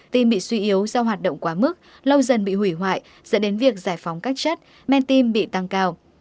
tim bị suy yếu do hoạt động quá mức lâu dần bị hủy hoại dẫn đến việc giải phóng các chất man tim bị tăng cao